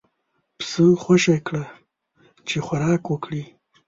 پسه خوشی کړه چې خوراک وکړي.